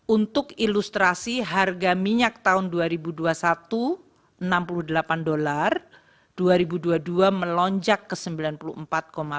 untuk ilustrasi harga minyak tahun dua ribu dua puluh satu enam puluh delapan dolar dua ribu dua puluh dua melonjak ke sembilan puluh empat delapan